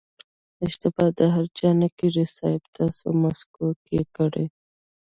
اشتبا د هر چا نه کېږي صيب تاسې مسکو کې کړې وه.